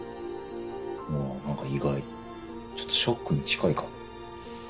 うわ何か意外ちょっとショックに近いかも。